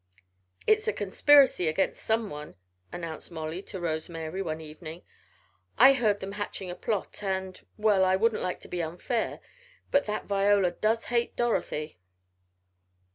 "It's a conspiracy against someone," announced Molly to Rose Mary one evening. "I heard them hatching the plot and well I wouldn't like to be unfair, but that Viola does hate Dorothy."